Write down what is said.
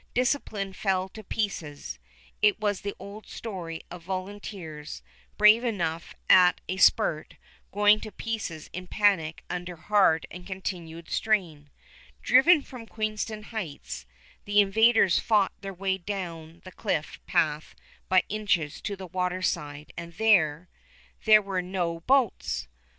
Discipline fell to pieces. It was the old story of volunteers, brave enough at a spurt, going to pieces in panic under hard and continued strain. Driven from Queenston Heights, the invaders fought their way down the cliff path by inches to the water side, and there ... there were no boats!